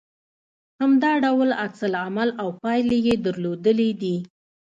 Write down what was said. همدا ډول عکس العمل او پايلې يې درلودلې دي